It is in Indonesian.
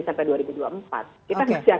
sampai dua ribu dua puluh empat kita bisa